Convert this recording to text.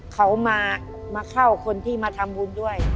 เขามาเข้าคนที่มาทำบุญด้วย